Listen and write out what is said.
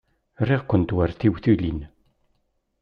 Riɣ-kent war tiwtilin.